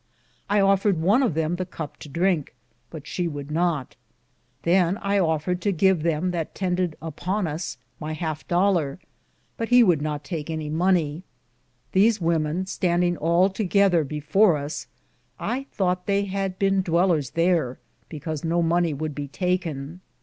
I offered one of them the cup to drinke, but she would not. Than I offered to give him that tended upon us my halfe Dollor, but he would not take any monye. These wemen standing all to gether before us, I thoughte they had bene Dwelleres there, because no mony would be taken.